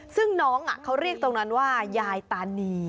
ซึ่งน้องเขาเรียกตรงนั้นว่ายายตานี